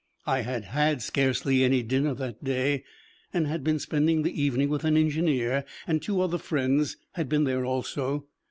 I had had scarcely any dinner that day, and had been spending the evening with an engineer, and two other friends had been there also.